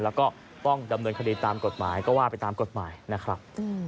แล้วก็ต้องดำเนินคดีตามกฎหมายก็ว่าไปตามกฎหมายนะครับ